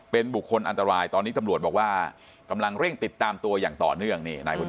เป็นบุคคลอันตรายตอนนี้ตำรวจบอกว่ากำลังเร่งติดตามตัวอย่างต่อเนื่อง